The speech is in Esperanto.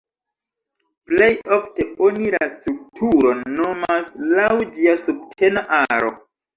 Plej ofte oni la strukturon nomas laŭ ĝia subtena aro.